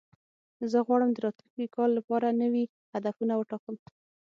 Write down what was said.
زه غواړم د راتلونکي کال لپاره نوي هدفونه وټاکم.